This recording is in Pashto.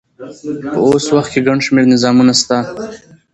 په اوس وخت کښي ګڼ شمېر نظامونه سته.